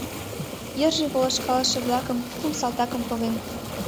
Йырже полышкалыше-влакым, кум салтакым поген.